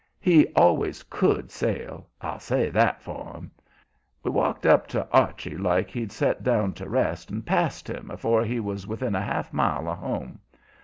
He always COULD sail; I'll say that for him. We walked up on Archie like he'd set down to rest, and passed him afore he was within a half mile of home.